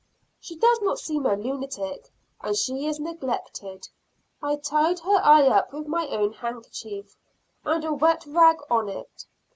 She does not seem a lunatic, and she is neglected. I tied her eye up with my own handkerchief, and a wet rag on it.